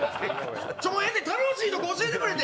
楽しいとこ教えてくれて。